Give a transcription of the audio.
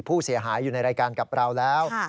ผู้เสียหายอยู่ในรายการกับเราแล้ว